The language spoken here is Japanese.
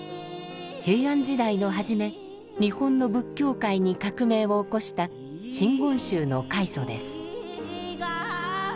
平安時代の初め日本の仏教界に革命を起こした真言宗の開祖です。